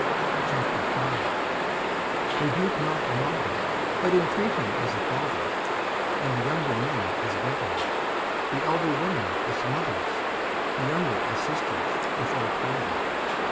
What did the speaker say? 54:005:001 Rebuke not an elder, but intreat him as a father; and the younger men as brethren; 54:005:002 The elder women as mothers; the younger as sisters, with all purity.